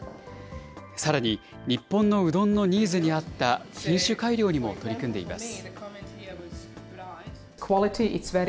さらに、日本のうどんのニーズに合った品種改良にも取り組んでいます。